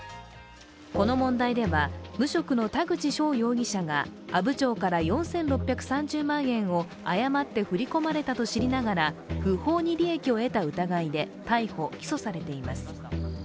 この問題では、無職の田口翔容疑者が阿武町から４６３０万円を誤って振り込まれたと知りながら不法に利益を得た疑いで逮捕・起訴されています。